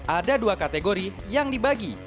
ada dua kategori yang dibagi